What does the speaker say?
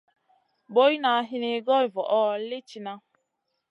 Boyna hini goy voʼo li tihna.